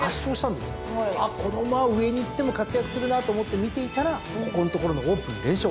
あっこの馬は上に行っても活躍するなと思って見ていたらここんところのオープン連勝。